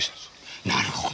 なるほど！